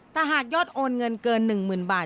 แต่หากยอดโอนเงินเกิน๑๐๐๐บาท